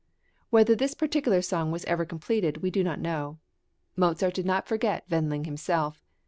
Whether this particular song was ever completed we do not know. Mozart did not forget Wendling himself.